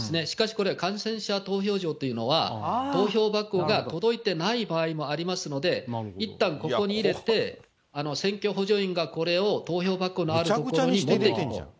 しかしこれは感染者投票所というのは、投票箱が届いてない場合もありますので、いったんここに入れて、選挙補助員がこれを投票箱のある場所に持っていく。